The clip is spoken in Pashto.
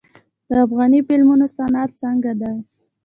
د افغاني فلمونو صنعت څنګه دی؟